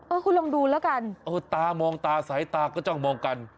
คุณลองดูแล้วกันเออตามองตาสายตาก็จ้องมองกัน